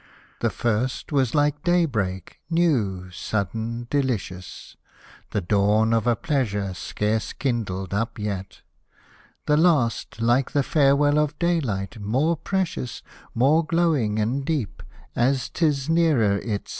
The first was like day break, new, sudden, delicious, — The dawn of a pleasure scarce kindled up yet ; The last like the farewell of daylight, more precious, More glowing and deep, as 'tis nearer its set.